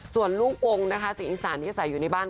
ส่วนลูกองค์นะคะสีอีสานที่ใส่อยู่ในบ้าน